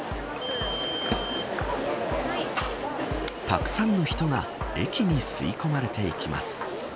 たくさんの人が駅に吸い込まれていきます。